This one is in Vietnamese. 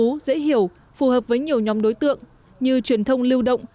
tú dễ hiểu phù hợp với nhiều nhóm đối tượng như truyền thông lưu động